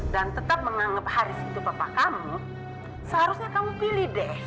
dan tetap menganggap haris itu papa kamu seharusnya kamu pilih deh